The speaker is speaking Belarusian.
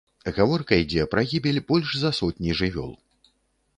Гаворка ідзе пра гібель больш за сотні жывёл.